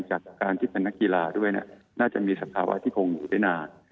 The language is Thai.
จากการที่เป็นนักกีฬาด้วยน่าจะมีสภาวะที่คงอยู่ได้นาน